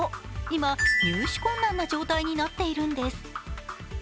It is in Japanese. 今、入手困難な状態になっているんです。